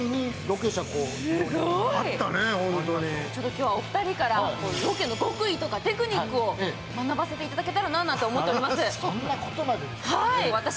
今日はお２人からロケの極意からテクニックを学ばせていただけたらなと思っています。